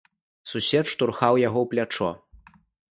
Сусед штурхаў яго ў плячо.